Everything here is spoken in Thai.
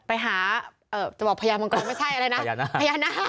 ไปหาจะบอกพญามังกรไม่ใช่อะไรนะพญานาค